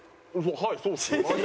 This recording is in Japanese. はいそうですよ。